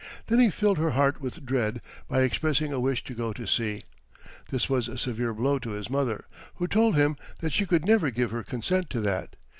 Then he filled her heart with dread by expressing a wish to go to sea. This was a severe blow to his mother, who told him that she could never give her consent to that.